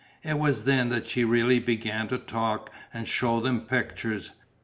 It was then that she really began to talk and shew them pictures.